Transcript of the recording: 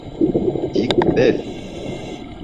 Тик бел!